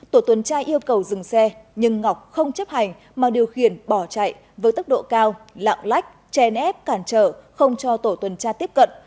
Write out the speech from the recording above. tổ tuần tra yêu cầu dừng xe nhưng ngọc không chấp hành mà điều khiển bỏ chạy với tốc độ cao lạng lách chè nép cản trở không cho tổ tuần tra tiếp cận